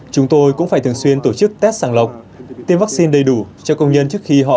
chúng tôi cũng phải thường xuyên tổ chức test sàng lọc tiêm vaccine đầy đủ cho công nhân trước khi họ